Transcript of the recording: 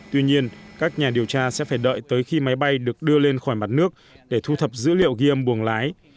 tuy nhiên các nhà điều tra sẽ phải đợi tới khi máy bay được đưa lên khỏi mặt nước để thu thập dữ liệu ghi âm buồng lái